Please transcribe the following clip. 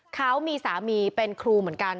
เขามีสามีเป็นครูเหมือนกัน